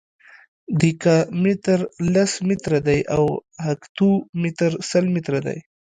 دیکا متر لس متره دی او هکتو متر سل متره دی.